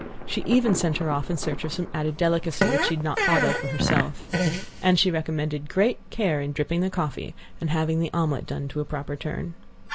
She even sent her off in search of some added delicacy which she had not thought of for herself. And she recommended great care in dripping the coffee and having the omelet done to a proper turn.